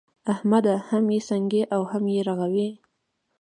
احمده! هم يې سڼکې او هم يې رغوې.